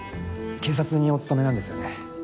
警察にお勤めなんですよね？